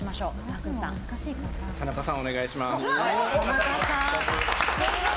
田中さん、お願いします。